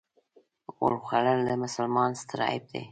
غول خوړل د مسلمان ستر عیب دی.